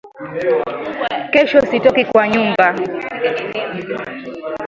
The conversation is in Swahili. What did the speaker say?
Kesho sitoki kwa nyumba